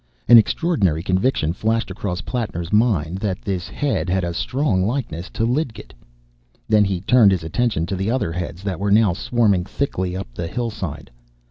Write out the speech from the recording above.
An extraordinary conviction flashed across Plattner's mind that this head had a strong likeness to Lidgett. Then he turned his attention to the other heads that were now swarming thickly up the hill side.